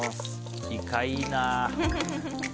イカ、いいな。